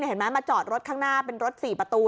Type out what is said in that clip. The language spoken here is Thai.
เห็นไหมมาจอดรถข้างหน้าเป็นรถ๔ประตู